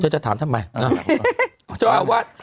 เจ้าอาวาสมิถีมวัดสรรต้นพึ่งเนี่ยนะครับ